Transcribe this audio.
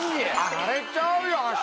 荒れちゃうよ明日！